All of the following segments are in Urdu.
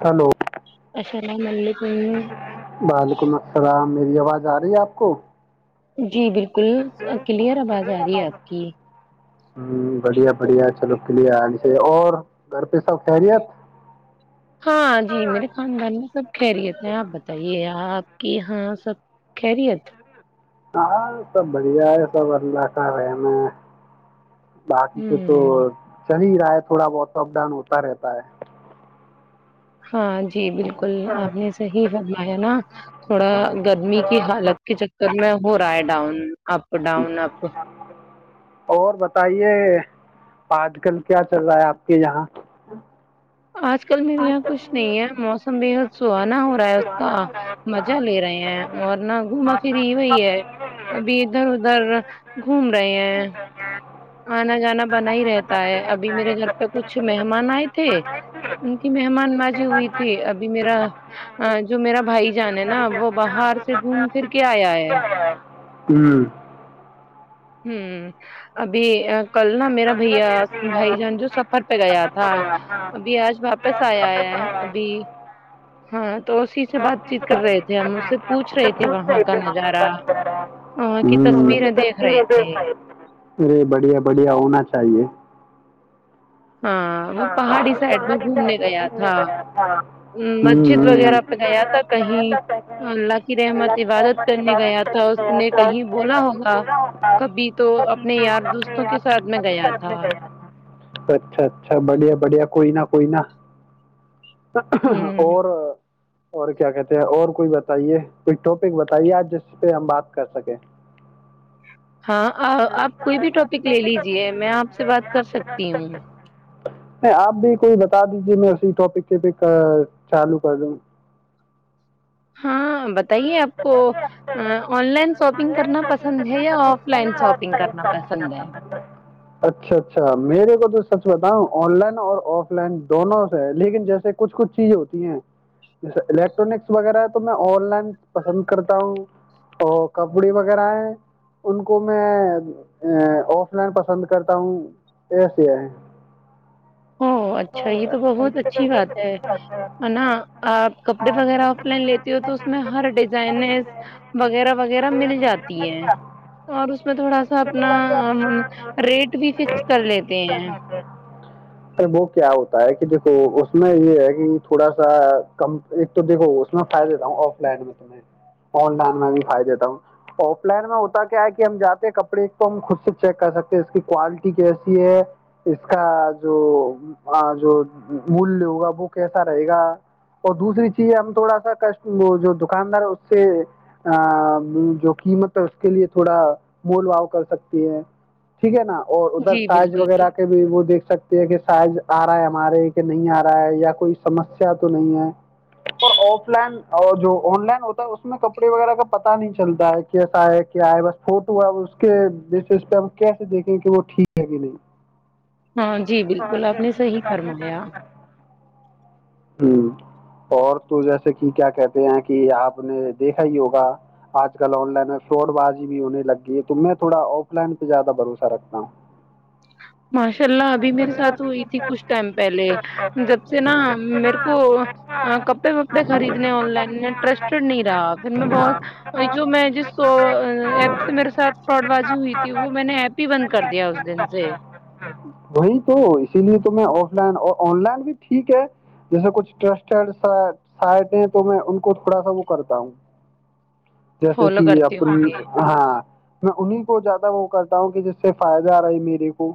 ہیلو السلام علیکم وعلیکم السلام میری آواز آ رہی ہے آپ کو جی بالکل کلیئر آواز آ رہی ہے آپ کی بڑھیا بڑھیا چلو کلی سے اور گھر پہ سب خیریت ہاں جی میرے خاندان میں سب خیریت ہے آپ بتائیے آپ کے یہاں سب خیریت ہاں سب بڑھیا ہے سب اللہ کا رہم باقی تو تو ہوں چلی ہے تھوڑا بہت اپ ڈاؤن ہوتا رہتا ہے ہاں جی بالکل آپ نے صحیح فرمایا نا تھوڑا گرمی کی حالت کے میں ہو رہا ہے ڈاؤن اپ ڈاؤن اپ اور بتائیے آج کل کیا چل رہا ہے آپ کے یہاں آج کل میرے یہاں کچھ نہیں ہے موسم بے حد سو ہو رہا ہے اس کا مزہ لے رہے ہیں اورورنہ گھوما پری وہی ہے ابھی ادھر ادھر گھوم رہے ہیں آنا جانا بنا ہی رہتا ہے ابھی میرے گھر پہ کچھ مہمان آئے تھے ان کی مہمان بازی ہوئی تھی ابھی میرا جو میرا بھائی جان ہے نا وہ باہر سے گھوم پھر کے آیا ہے ہوں ہوں ابھی کل نا میرا بھیا بھائی جان جو سفر پہ گیا تھا ابھی آج واپس آیا ہے ابھی ہاں تو اسی سے بات چیت کر رہے تھے ہم اس سے پوچھ رہے تھے وہاں کا نظارہ وہاں کی تصویریں دیکھ رہے تھے بڑھیا بڑھیا ہونا چاہیے ہاں وہ پہاڑی سائڈ میں گھومنے گیا تھا مسجد ہوں وغیرہ پہ گیا تھا کہیں اللہ کی رحمت عبادت کرنے گیا تھا اس نے کہیں بولا ہوگا کبھی تو اپنے یار دوستوں کے ساتھ میں گیا تھا اچھا اچھا بڑھیا بڑھیا کوئی نہ کوئی نہا ہوں اور اور کیا کہتے ہیں اور کوئی بتائیے کوئی ٹاپک بتائیے آج جس پہ ہم بات کر سکیں ہاں آپ کوئی بھی ٹاپک لے لیجیے میں آپ سے بات کر سکتی ہوں نہیں آپ بھی کوئی بتا دیجے میں اسسی ٹاپک پہ چالو کر دوں ہاں بتائیے آپ کو آن لائن شاپنگ کرنا پسند ہے یا آف لائن شاپنگ کرنا پسند ہے اچھا اچھا میرے کو تو سچ بتاؤ آن لائن اور آف لائن دونوں سے لیکن جیسے کچھ کچھ چیزیں ہوتی ہیں جیسے الیکٹرانکس وغیرہ ہے تو میں آن لائن پسند کرتا ہوں اور کپڑے وغیرہ ہیں ان کو میں آف لائن پسند کرتا ہوں ایسے ہے ا اچھا یہ تو بہت اچھی بات ہے نا آپ کپڑے وغیرہ آف لائن لیتے ہو تو اس میں ہر ڈیزائن وغیرہ وغیرہ مل جاتی ہے اور اس میں تھوڑا سا اپنا ریٹ بھی فکس کر لیتے ہیں ا وہ کیا ہوتا ہے کہ دیکھو اس میں یہ ہے کہ تھوڑا سا کم ایک تو دیکھو اس میں فائدے تھا ہ آن لائن میں بھی ف دیتا ہوں آف لائن میں ہوتا کیا ہے کہ ہم جاتے ہیں کپڑے تو ہم خود سے چیک کر سکتے اس کی کوالٹی کیسی ہے اس کا جو جو ملیہ ہوگا وہ کیسا رہے گا اور دوسری چیز ہے ہم تھوڑا سا ک وہ دکاندار اس سے ا جو قیمت ہے اس کے لیے تھوڑا مول واؤ کر سکتی ہے ٹھیک ہے نا اور ادھر جی سائز بالکل وغیرہ کے بھی وہ دیکھ سکتی ہے کہ سائز آ رہا ہے ہمارے کہ نہیں آ رہا ہے یا کوئی سمسیا تو نہیں ہے اور آف لائن جو آن لائن ہوتا ہے اس میں کپڑے وغیرہ کا پتا نہیں چلتا ہے کیسا ہے کیا ہے بس فوٹو ہے ا اس کے بیسس پہ ا کیسے دیکھیں کہ وہ ٹھیک ہے کہ نہیں ہاں جی بالکل آپ نے صحیح فرمایا ہ اور تو جیسے کہ کیا کہتے ہیں کہ کہ آپ نے دیکھا ہی ہوگا آج کل آن لائن میں فراڈ بازی بھی ہونے لگ گئی ہے تو میں تھوڑا آف لائن پہ زیادہ بھروسہ رکھتا ہوں ماشاء اللہ ابھی میرے ساتھ ہوئی تھی کچھ ٹائم پہلے جب سے نا میرے کو کپڑے وپڑے خریدنے آن لائن ٹرسٹڈ نہیں رہا پھر میں بہت جو میں جس ایپ سے میرے ساتھ فراڈ بازی ہوئی تھی وہ میں نے ایپ ہی بند کر دیا اس دن جی وہی تو اسی لیے تو میں آف لائن اور آن لائن بھی ٹھیک ہے جیسے کچھ ٹرسٹیڈ سائٹ تو میں کو تھوڑا سا وہ کرتا ہوں جیسے فالو کہ کرتی اپنی ہوں گی ہاں میں انہیں کو زیادہ وہ کرتا ہوں کہ جس سے فائدہ آ رہا ہے میرے کو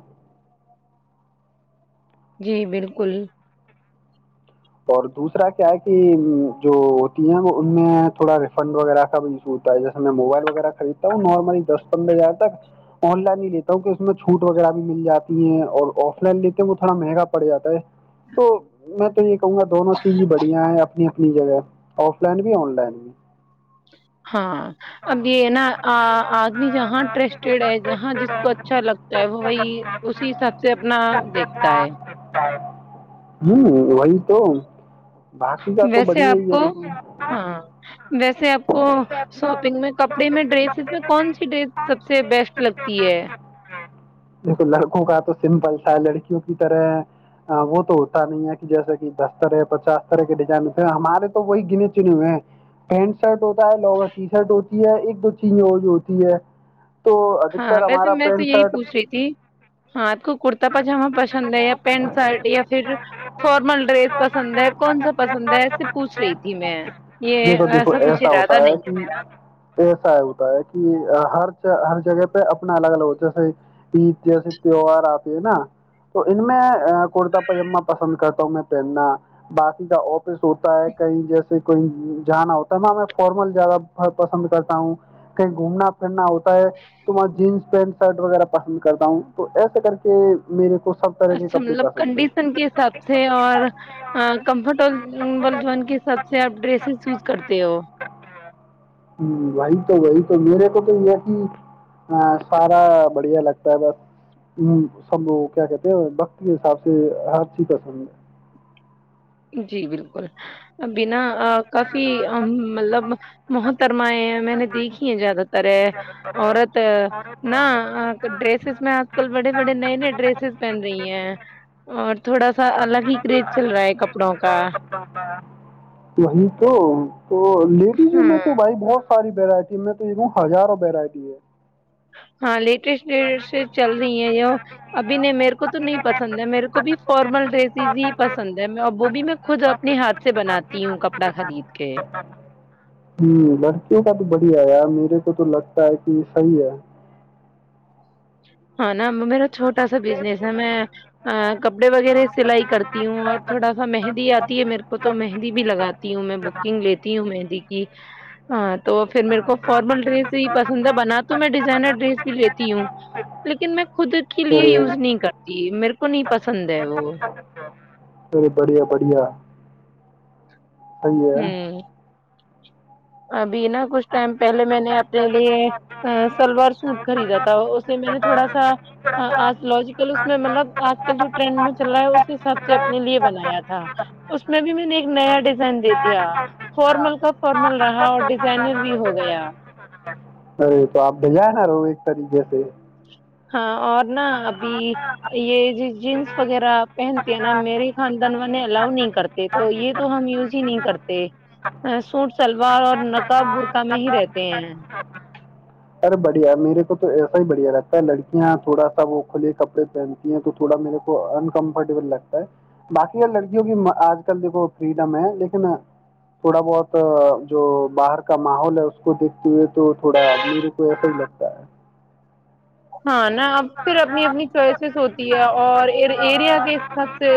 جی بالکل اور دوسرا کیا ہے کہ جو ہوتی ہے وہ ان میں تھوڑا ریفنڈ وغیرہ کا بھی ہوتا ہے جیسے میں موبائل وغیرہ خریدتا ہوں نارملی دس پندرہ ہزار تک آن لائن ہی لیتا ہوں کہ اس میں چھوٹ وغیرہ بھی مل جاتی ہے اور آف لائن لیتےئے تھوڑا مہنگا پڑ جاتا ہے تو میں تو یہ کہوں گا دونوں چیز بڑھیا ہے اپنی اپنی جگہ آف لائن بھی آن لائن بھی ہاں اب یہ ہے نا آدمی جہاں انٹرسٹیڈ ہے جہاں جس کو اچھا لگتا ہے وہ وہی اسی حساب سے اپنا دیکھتا ہے ہوں وہی تو باقی کا تو ویسے بڑیا آپ ہی ہے کو د ہاں ویسے آپ کو شاپنگ میں کپڑے میں ڈریسز میں کون سی ڈریس سب سے بیسٹ لگتی ہے دیکھو لڑکوں کا تو سمپل تھا لڑکیوں کی طرح وہ تو ہوتا نہیں ہے کہ جیسا کہ دس طرح پچاس طرح کے ڈیزائن ہوتے ہمارے تو وہی گنے چنے ہوئے ہیں پینٹ شرٹ ہوتا ہے لون ٹی شرٹ ہوتی ہے ایک دو چین جو ہوتی ہے تو ادکتر ہاں ویسے ہمارا میں تو پینٹ یہی شرٹ پوچھ رہی ہاں آپ کو کرتا پاجامہ پسند ہے یا پینٹ شرٹ یا پھر فارمل ڈریس پسند ہے کون سا پسند ہے ایس سے پوچھ رہی تھی میں شرٹ دیکھو یہ دیکھو ایسا کچھ ارادہ نہیں ہے میرا ایا ہوتا ہے کہ ہر ہر جگہ پہ اپنا الگ الگ ہو جیسے پت جیسے تیوار آتے ہے نا تو ان میں کرتا پاجامہ پسند کرتا ہوں میں پہننا باقی کا س ہوتا ہے کہیں جیسے کو جانا ہوتا ہےاں میں فارمل زیادہ پسند کرتا ہوں کہیں گھومنا پھرنا ہوتا تمار جینس پینٹ شرٹ وغیرہ پسند کرتا ہوں تو ایسا کر کے میرے کو سب طرح کے اچھا کپڑے مطلب پسند ہیں کنڈیشن کے حساب سے اور کمفرٹیبل جوون کے حساب سے آپ ڈریسز چوز کرتے ہو ہ وہی تو وہی تو میرے کو تو یہ کہ سارا بڑھیا لگتا ہے بس سب کیا کہتے ہیں وقت کے حساب سے ہر چیز پسند ہے جی بالکل بنا ا کافی ا مطلب بہت سرمائے ہیں میں نے دیکھی ہیں زیادہ ر اورورت نہ ڈریسس اس آج کل بڑے بڑے نئے نئے ڈریسز پہن رہی ہیں اور تھوڑا سا الگ ہی کریز چل رہا ہے کپڑا [unintelligible] وہی تو تو لیڈیزوں میں ہاں تو بھائی بہت ساری ویرائٹی میں تو دوں ہزاروں ویرائٹی ہے ہاں لیٹ ڈ سے چل رہی ہیں ابھی نہیں میرے کو تو نہیں پسند ہے میرے کو بھی فارمل ڈریسیز ہی پسند ہے وہ بھی میں خود اپنے ہاتھ سے بناتی ہوں کپڑا خرید کے ہم، لڑکیوں کا تو بڑھیا ہے یار میرے کو تو لگتا ہے کہ یہ صحیح ہے ہاں ن میرا چھوٹا سا بزنس ہے میں کپڑے وغیرہ سلائی کرتی ہوں اور تھوڑا سا مہندی آتی ہے میرے کو تو مہندی بھی لگاتی ہوں میں بکنگ لیتی ہوں مہندی کی ہاں تو پھر میرے کو فارمل ڈریس ہی پسند ہے بنا تو میں ڈیزائنر ڈریس بھی لیتی ہوں لیکن میں خود کے لیے ارے یوز نہیں کرتی میرے کو نہیں پسند ہے وہ ارے بڑھیا بڑھیا صحیح ہے ہوں [unintelligible] ب نا کچھ ٹائم پہلے میں نے اپنے لیے سلوار سوٹ خریدا تھا اسے میں نے تھوڑا سا لوجیکل اس میں مطلب آج کل جو ٹرینڈ میں چل رہا ہے اس حساب سے اپنے لیے بنایا تھا اس میں بھی میں نے [unintelligible] دیتی فارمل کا ف رہا اور ڈیزائنر بھی ہو گیا ارے تو آپ بھیجائے نہ رہو ایک طریقے سے ہاں اور نا ابھی یہ جی جینس وغیرہ پہنتی ہیں نا میرے خاندان والے الاو نہیں کرتے تو یہ تو ہم یوز ہی نہیں کرتے سوٹ سلوار اور نہ سر بڑھیا میرے کو تو ایسا ہی بڑھیا لگتا ہے لڑکیاں تھوڑا سا وہ کھلے کپڑے پہنتی ہیں تو تھوڑا میرے کو انکمفرٹیبل لگتا ہے باقی ا لڑکیوں کی آج کل دیکھو فریڈم ہے لیکن تھوڑا بہت جو باہر کا ماحول ہے اس کو دیکھتے ہوئے تو تھوڑا میرے کو ایسا ہی لگتا ہے ہاں نہ اب پھر اپنی اپنی چوائسیز ہوتی ہے اور ایریا کے حساب سے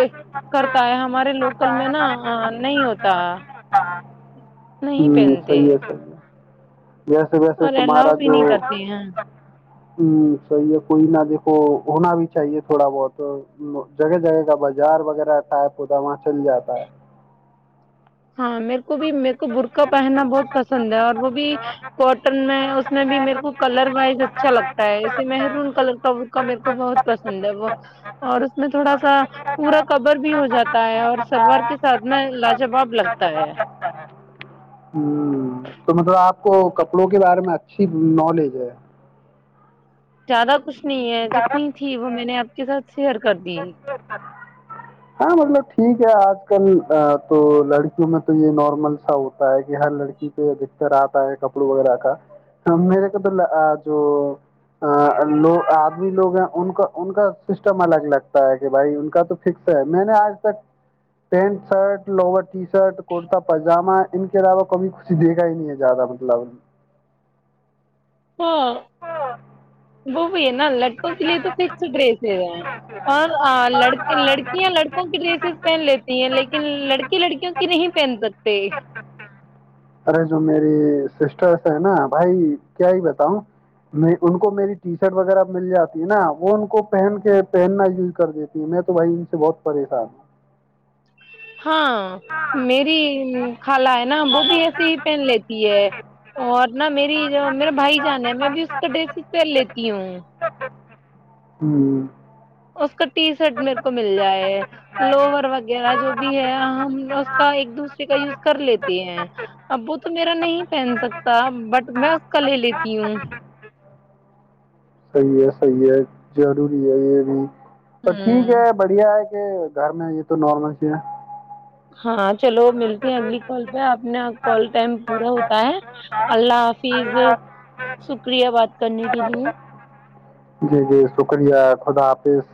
کرتا ہے ہمارے لوکل میں نا نہیں ہوتا نہیں ہوں پہنتے صحیح ہے صحیح ہے ویسے ویسے اور تمہارا الاؤ بھی جو نہیں کرتے ہیں ہوں صحیح ہے کوئی نہ دیکھو ہونا بھی چاہیے تھوڑا بہت جگہ جگہ کا بازار وغیرہ رہتا ہے پتا وہاں چل جاتا ہے ہاں میرے کو بھی میرے کو برقا پہننا بہت پسند ہے اور وہ بھی کاٹن میں اس میں بھی میرے کو کلر وائز اچھا لگتا ہے ایے مہرون کلر کا بکا میرے کو بہت پسند ہے وہ اور اس میں تھوڑا سا پورا کور بھی ہو جاتا اور سلوار کے ساتھ میں لاجواب لگتا توپ ہے لگتا ہے ہمم تو مطلب آپ کو کپڑوں کے بارے میں اچھی نالج ہے زیادہ کچھ نہیں ہے جتنی تھی وہ میں نے آپ کے ساتھ شیئر کر دی ہاں مطلب ٹھیک ہے آج کل تو لڑکیوں میں تو یہ نارمل سا ہوتا ہے کہ ہر لڑکی پہ ادھکتر آتا ہے کپڑوں وغیرہ کا میرے کو تو جو لو لوگ ہیں ان کا ان کا سسٹم الگ لگتا ہے کہ بھائی ان کا تو فکس ہے میں نے آج تک پینٹ شرٹ لور ٹی شرٹ کرتا پاجاما ان کے علاوہ کبھی کچھ دیکھا ہی نہیں ہے زیادہ مطلب ہاں وہ نا لڑکوں کے لیے تو فکس ڈریسز ہیں اور لڑکیاں لڑکوں کی ڈریسز پہن لیتی ہیں لیکن لڑ لڑکیوں کی نہیں پہن سک پہ ارے جو میری سسٹرس ہیں نا بھائی کیا ہی بتاؤں میں ان کو میری ٹی شرٹ وغیرہ مل جاتی ہے نہ وہ ان کو پہن کے پہننا یوز کر دیتی میں تو بھائی ان سے بہت پریشان ہوں ہاں میری خالہ ہے نہ وہ بھی ایسے ہی پہن لیتی ہے اور نہ میری جو میرا بھائی جان ہے میں بھی اس کا ڈریس ہی پہن لیتی ہوں ہممم اس کا ٹی شرٹ میرے کو مل جائے لوور وغیرہ جو بھی ہے ہم اس کا ایک دوسرے کا یوز کر لیتے ہیں اب وہ تو میرا نہیں پہن سکتا بٹ میں اس کا لے لیتی ہوں صحی ہے سحی ہے ضری ہے یہ بھی تو ٹھیک ہوں ہے بڑھیا ہے گھر میں یہ تو نارمل چ ہے ہاں چلو ملتی ہیں اگلی کال پہ آ نے کال ٹائم پورورا ہوتا ہے اللہ حفظ شکریہ بات کرنے کے لیے جی جی شکریہ خدا حافظ